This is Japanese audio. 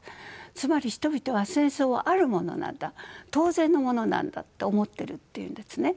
つまり人々は戦争はあるものなんだ当然のものなんだって思ってるっていうんですね。